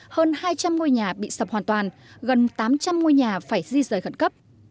hơn hai trăm linh ngôi nhà bị sập hoàn toàn gần tám trăm linh ngôi nhà phải di rời khẩn cấp